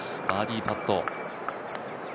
バーディーパット。